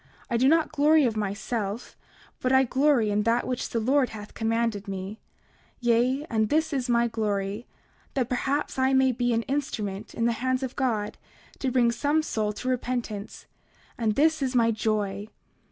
I do not glory of myself, but I glory in that which the Lord hath commanded me; yea, and this is my glory, that perhaps I may be an instrument in the hands of God to bring some soul to repentance; and this is my joy.